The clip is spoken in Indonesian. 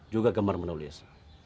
juga gemar menulis